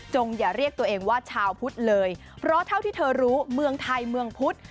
อย่าเรียกตัวเองว่าชาวพุทธเลยเพราะเท่าที่เธอรู้เมืองไทยเมืองพุธ